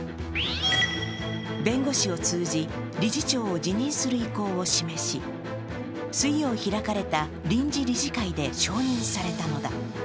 弁護士を通じ、理事長を辞任する意向を示し水曜開かれた臨時理事会で承認されたのだ。